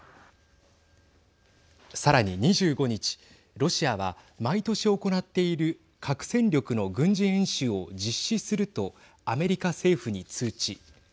さらに２５日、ロシアは毎年行っている核戦力の軍事演習を実施するとアメリカ政府に通知。